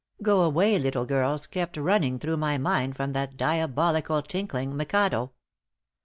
"Go away, little girls," kept running through my mind from that diabolical, tinkling "Mikado."